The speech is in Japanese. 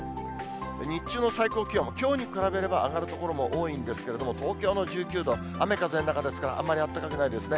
日中の最高気温も、きょうに比べれば上がる所も多いんですけれども、東京の１９度は、雨風の中ですから、あんまり暖かくないですね。